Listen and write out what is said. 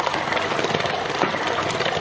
พร้อมทุกสิทธิ์